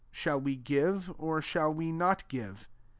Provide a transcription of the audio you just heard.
snail we give, or shall we not give